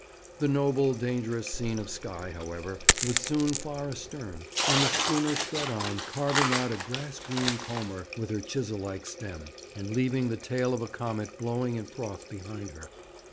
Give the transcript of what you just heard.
The noble, dangerous scene of sky, however, was soon far astern; and the schooner sped on, carving out a grass green comber with her chisel like stem, and leaving the tail of a comet blowing in froth behind her.